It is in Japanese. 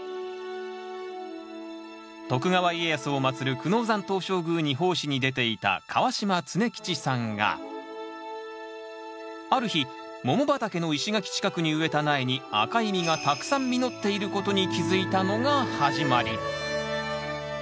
徳川家康を祭る久能山東照宮に奉仕に出ていた川島常吉さんがある日桃畑の石垣近くに植えた苗に赤い実がたくさん実っていることに気付いたのが始まり。